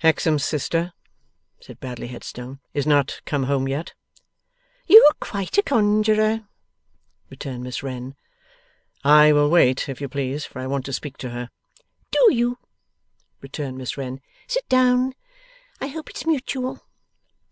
'Hexam's sister,' said Bradley Headstone, 'is not come home yet?' 'You are quite a conjuror,' returned Miss Wren. 'I will wait, if you please, for I want to speak to her.' 'Do you?' returned Miss Wren. 'Sit down. I hope it's mutual.